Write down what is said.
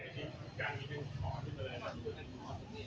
สวัสดีทุกคน